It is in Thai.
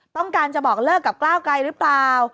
ต้องการจะบอกเลิกกับก้าวไกลหรือเปล่า